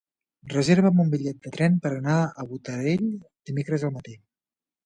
Reserva'm un bitllet de tren per anar a Botarell dimecres al matí.